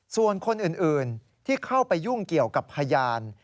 ส่วนคนอื่นที่เข้าไปยุ่งเกี่ยวกับพยาน